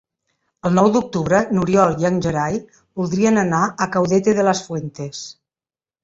El nou d'octubre n'Oriol i en Gerai voldrien anar a Caudete de las Fuentes.